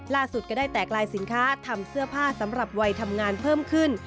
ก็ได้แตกลายสินค้าทำเสื้อผ้าสำหรับวัยทำงานเพิ่มขึ้น